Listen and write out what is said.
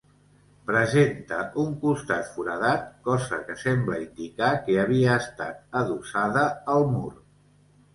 Presenta un costat foradat, cosa que sembla indicar que havia estat adossada al mur.